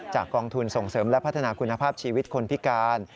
กองทุนส่งเสริมและพัฒนาคุณภาพชีวิตคนพิการ